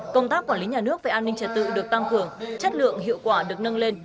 công tác quản lý nhà nước về an ninh trật tự được tăng cường chất lượng hiệu quả được nâng lên